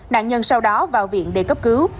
nạn nhân sau đó vào viện để cấp cứu